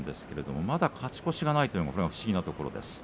まだ勝ち越しがないというのは不思議なところです。